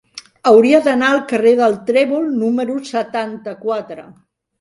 Hauria d'anar al carrer del Trèvol número setanta-quatre.